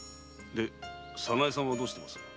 早苗さんはどうしています？